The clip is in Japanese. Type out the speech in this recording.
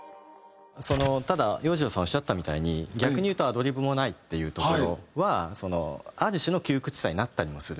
ただ洋次郎さんがおっしゃったみたいに逆にいうとアドリブもないっていうところはある種の窮屈さになったりもする。